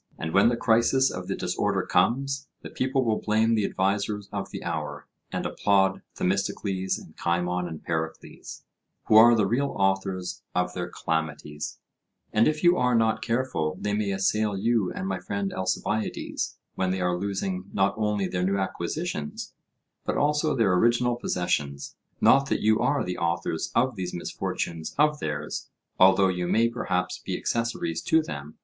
And when the crisis of the disorder comes, the people will blame the advisers of the hour, and applaud Themistocles and Cimon and Pericles, who are the real authors of their calamities; and if you are not careful they may assail you and my friend Alcibiades, when they are losing not only their new acquisitions, but also their original possessions; not that you are the authors of these misfortunes of theirs, although you may perhaps be accessories to them.